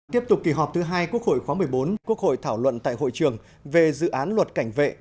tiếp tục kỳ họp thứ hai quốc hội khóa một mươi bốn quốc hội thảo luận tại hội trường về dự án luật cảnh vệ